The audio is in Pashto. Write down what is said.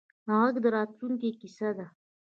غږ د راتلونکې کیسه ده